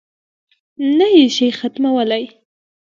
نه یې شي ختمولای.